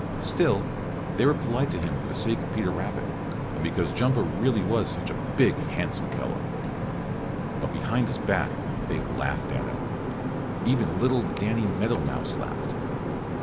Still, they were polite to him for the sake of Peter Rabbit and because Jumper really was such a big, handsome fellow. But behind his back they laughed at him. Even little Danny Meadow Mouse laughed.